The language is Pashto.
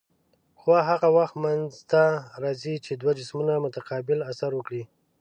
قوه هغه وخت منځته راځي چې دوه جسمونه متقابل اثر وکړي.